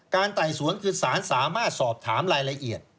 ไต่สวนคือสารสามารถสอบถามรายละเอียด